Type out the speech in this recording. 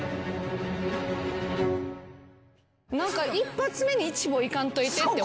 一発目にイチボいかんといてって。